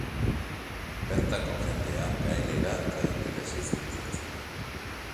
Bertako jendea gaelera eta ingelesez mintzatzen da.